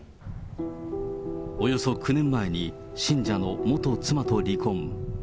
およそ９年前に信者の元妻と離婚。